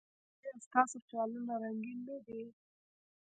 ایا ستاسو خیالونه رنګین نه دي؟